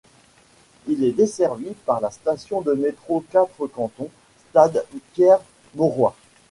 Il est desservi par la station de métro Quatre Cantons - Stade Pierre-Mauroy.